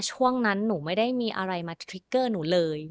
ช่วงนั้นหนูไม่ได้มีอะไรมาทริกเกอร์หนูเลย